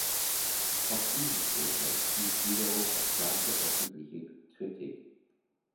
Auch dieses Urteil stieß wiederum auf starke öffentliche Kritik.